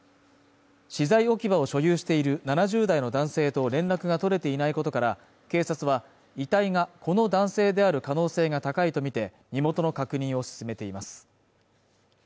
資材置き場を所有している７０代の男性と連絡が取れていないことから警察は遺体がこの男性である可能性が高いとみて身元の確認を進めています